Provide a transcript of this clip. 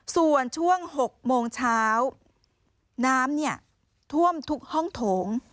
ส่วนช่วง๖โมงเช้าน้ำเนี่ยท่วมทุกห้องโถง